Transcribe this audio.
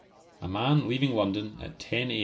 A man leaving London at 10 A.